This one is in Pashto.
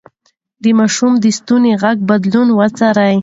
د ماشوم د ستوني غږ بدلون وڅارئ.